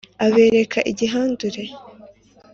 Abereka igihandure